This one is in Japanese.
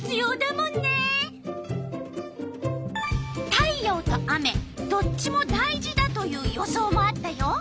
太陽と雨どっちも大事だという予想もあったよ。